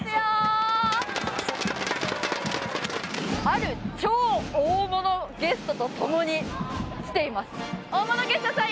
ある超大物ゲストとともに来ています。